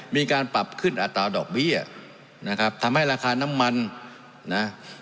มีการปรับขึ้นอัตราดอกเบี้ยนะครับทำให้ราคาน้ำมันนะ